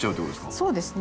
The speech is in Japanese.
そうですね。